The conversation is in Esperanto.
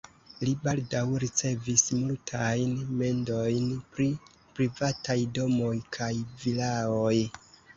Li baldaŭ ricevis multajn mendojn pri privataj domoj kaj vilaoj.